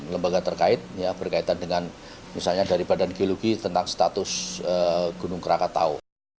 lembaga terkait ya berkaitan dengan misalnya dari badan geologi tentang status gunung krakatau